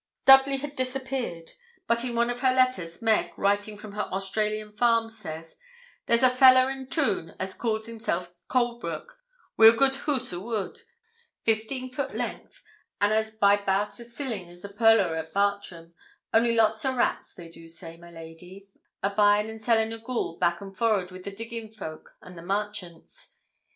Dudley had disappeared; but in one of her letters, Meg, writing from her Australian farm, says: 'There's a fella in toon as calls hisself Colbroke, wi' a good hoose o' wood, 15 foot length, and as by 'bout as silling o' the pearler o' Bartram only lots o' rats, they do say, my lady a bying and sellin' of goold back and forred wi' the diggin foke and the marchants.